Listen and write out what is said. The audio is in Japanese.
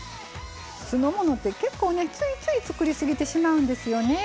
酢の物って結構ねついつい作りすぎてしまうんですよね。